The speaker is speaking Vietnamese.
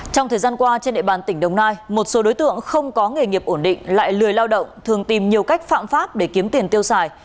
trong thời gian qua trên địa bàn tỉnh đồng nai một số đối tượng không có nghề nghiệp ổn định lại lười lao động thường tìm nhiều cách phạm pháp để kiếm tiền tiêu xài